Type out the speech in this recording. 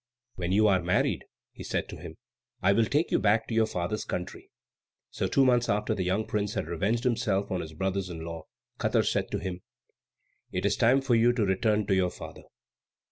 "When you are married," he said to him, "I will take you back to your father's country." So two months after the young prince had revenged himself on his brothers in law, Katar said to him, "It is time for you to return to your father.